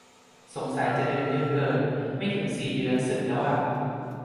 สงสัยจะเดินเยอะเกิน ไม่ถึงสี่เดือน สึกแล้วอ่ะ